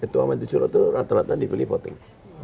ketua majelis suro itu rata rata dipilih voting